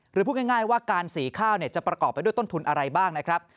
พูดง่ายว่าการสีข้าวจะประกอบไปด้วยต้นทุนอะไรบ้างนะครับ